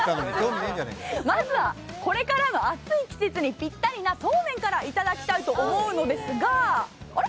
まずは、これからの暑い季節にぴったりな、そうめんからいただきたいと思うのですがあれ？